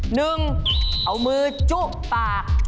หนึ่งเอามือจุปาก